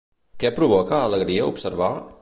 Què provoca alegria observar?